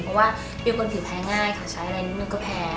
เพราะว่าเป็นคนผิวแพ้ง่ายค่ะใช้อะไรนิดนึงก็แพ้